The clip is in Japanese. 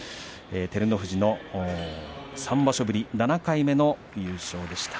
照ノ富士の３場所ぶり７回目の優勝でした。